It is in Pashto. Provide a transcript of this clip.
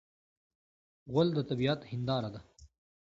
غول د طبعیت هنداره ده.